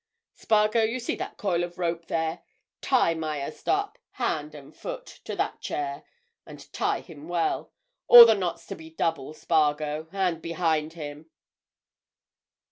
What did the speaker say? Spargo, you see that coil of rope there. Tie Myerst up—hand and foot—to that chair. And tie him well. All the knots to be double, Spargo, and behind him."